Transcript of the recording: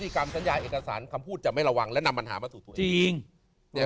กรรมสัญญาเอกสารคำพูดจะไม่ระวังและนำปัญหามาสู่ตัวเองเนี่ย